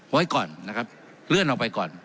ไว้ก่อนนะครับเลื่อนออกไปก่อน